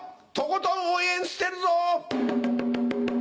とことん応援してるぞ！